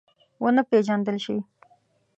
ونه پېژندل شي.